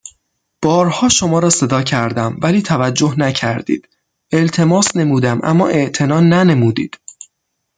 بارها شما را صدا کردم ولی توجه نكرديد التماس نمودم اما اعتنا ننموديد